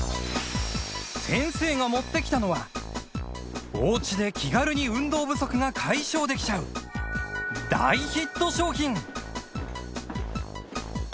先生が持ってきたのはお家で気軽に運動不足が解消できちゃう大ヒット商品！